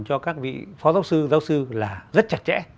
cho các vị phó giáo sư giáo sư là rất chặt chẽ